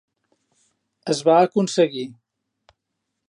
Es va aconseguir.